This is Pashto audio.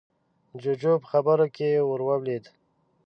جُوجُو په خبره کې ورولوېد: